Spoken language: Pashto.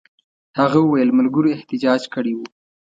هغه وویل ملګرو احتجاج کړی وو.